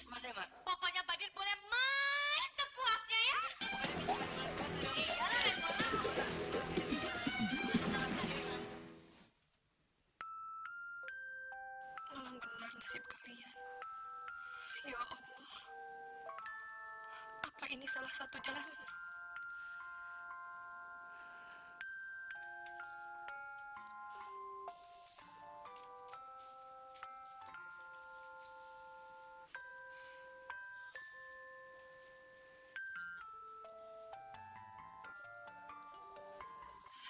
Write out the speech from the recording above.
lagian kenapa sih gak sampai depan sekolah aja